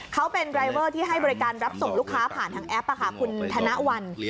เขาเป็นรายเวอร์ที่ให้บริการรับส่งลูกค้าผ่านทางแอปคุณธนวัล